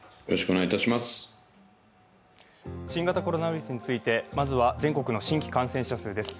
新型コロナウイルスについて、まずは全国の新規感染者数です。